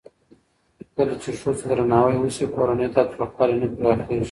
کله چې ښځو ته درناوی وشي، کورنی تاوتریخوالی نه پراخېږي.